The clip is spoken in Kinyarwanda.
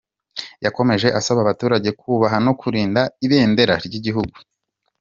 Yakomeje asaba abaturage kubaha no kurinda ibendera ry’igihugu.